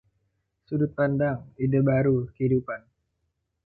Sudut pandang, ide baru, kehidupan.